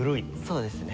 そうですね。